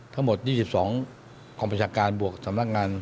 ทั้งหมด๒๒กองประชาการบวกสำนักงาน